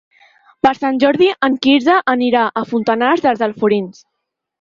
Per Sant Jordi en Quirze anirà a Fontanars dels Alforins.